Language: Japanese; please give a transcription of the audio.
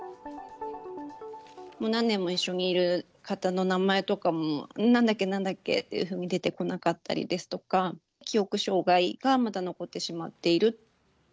何年も一緒にいる方の名前とかも、なんだっけ、なんだっけというふうに、出てこなかったりですとか、記憶障害がまだ残ってしまっている。